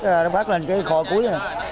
rồi nó phát lên cái kho cuối